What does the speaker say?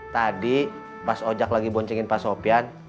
tadi pas ojak lagi boncengin pak sofian